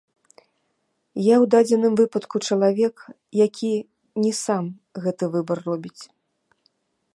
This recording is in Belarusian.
Я ў дадзеным выпадку чалавек, які не сам гэты выбар робіць.